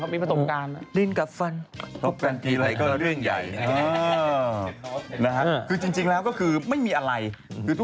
มีบ้านนางก้มตูใต้เตียงไม่มีใครอยู่